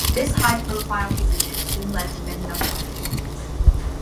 This high-profile position soon led to many other opportunities.